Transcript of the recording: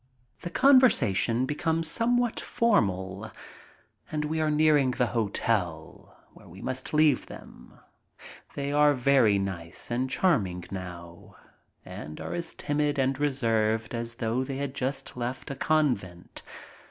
The conversation becomes somewhat formal. And we are nearing the hotel, where we must leave them. They are very nice and charming now and are as timid and reserved as though they had just left a convent.